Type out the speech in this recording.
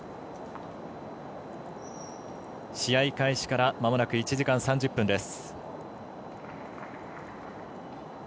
試合開始からまもなく１時間３０分です。